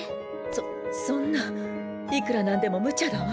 そそんないくら何でもむちゃだわ。